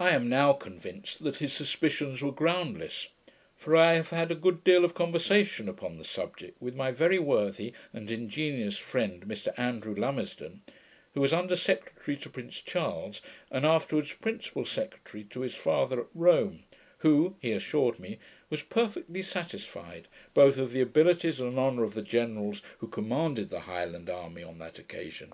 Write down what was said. I am now convinced that his suspicions were groundless; for I have had a good deal of conversation upon the subject with my very worthy and ingenious friend, Mr Andrew Lumisden, who was under secretary to Prince Charles, and afterwards principal secretary to his father at Rome, who, he assured me, was perfectly satisfied both of the abilities and honour of the generals who commanded the highland army on that occasion.